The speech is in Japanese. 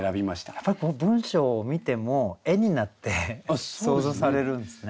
やっぱり文章を見ても絵になって想像されるんですね。